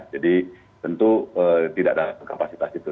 jadi tentu tidak ada kapasitas itu